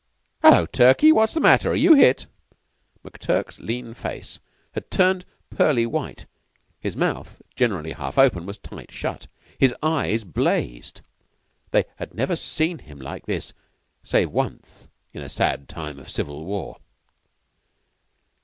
Hullo, Turkey, what's the matter? Are you hit?" McTurk's lean face had turned pearly white; his mouth, generally half open, was tight shut, and his eyes blazed. They had never seen him like this save once in a sad time of civil war.